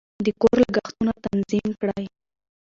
د کور لګښتونه تنظیم کړئ.